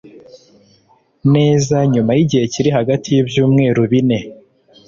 neza nyuma y'igihe kiri hagati y'ibyumwerubine